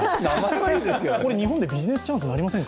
これ日本でビジネスチャンスになりませんか？